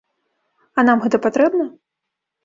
А нам гэта патрэбна?